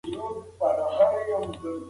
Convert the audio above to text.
کلتوري بلدتیا د تعصب مخه نیسي.